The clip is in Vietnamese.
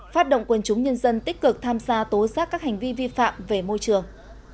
phát động quân chúng nhân dân tích cực tham gia tố giác các hành vi vi phạm về môi trường